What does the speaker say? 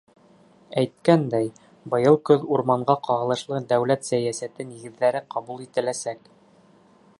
Әйткәндәй, быйыл көҙ урманға ҡағылышлы дәүләт сәйәсәте нигеҙҙәре ҡабул ителәсәк.